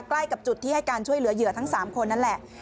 ใกล้กับจุดที่ให้การช่วยเหลือเหยื่อทั้ง๓คนนั่นแหละ